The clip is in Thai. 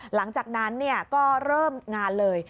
หลังจากนั้นก็เริ่มงานเลย